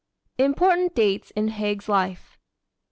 IMPORTANT DATES IN HAIG'S LIFE 1861.